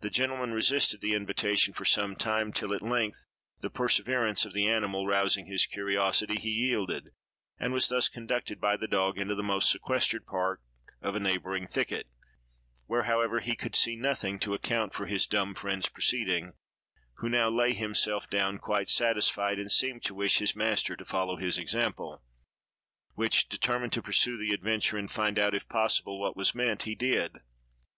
The gentleman resisted the invitation for some time, till at length, the perseverance of the animal rousing his curiosity, he yielded, and was thus conducted by the dog into the most sequestered part of a neighboring thicket, where, however, he could see nothing to account for his dumb friend's proceeding, who now lay himself down, quite satisfied, and seemed to wish his master to follow his example, which, determined to pursue the adventure and find out, if possible, what was meant, he did.